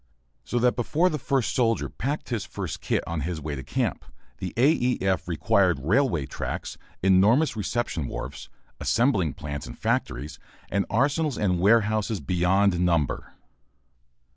So that before the first soldier packed his first kit on his way to camp the A. E. F. required railway tracks, enormous reception wharfs, assembling plants and factories, and arsenals and warehouses beyond number.